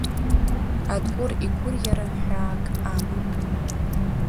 Адгәыр игәырӷьара ҳәаак амам.